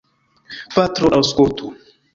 Patro, aŭskultu!